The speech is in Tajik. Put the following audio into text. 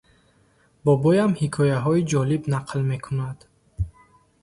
Бобоям ҳикояҳои ҷолиб нақл мекунад.